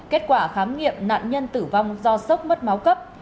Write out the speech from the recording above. kết quả khám nghiệm nạn nhân tử vong do sốc mất máu cấp